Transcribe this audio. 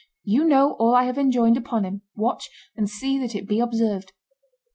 You know all I have enjoined upon him; watch and see that it be observed.